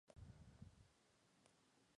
Conocer es comer con los ojos.